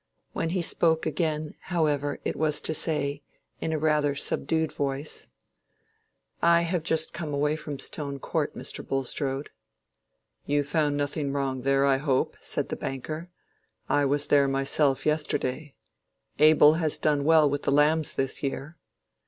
When he spoke again, however, it was to say, in rather a subdued voice— "I have just come away from Stone Court, Mr. Bulstrode." "You found nothing wrong there, I hope," said the banker; "I was there myself yesterday. Abel has done well with the lambs this year."